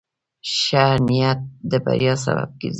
ښه نیت د بریا سبب ګرځي.